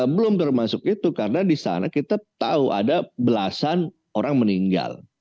belum termasuk itu karena di sana kita tahu ada belasan orang meninggal